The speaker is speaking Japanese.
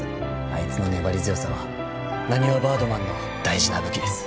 あいつの粘り強さはなにわバードマンの大事な武器です。